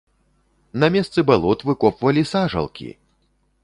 На месцы балот выкопвалі сажалкі!